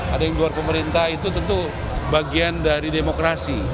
ada yang di luar pemerintah itu tentu bagian dari demokrasi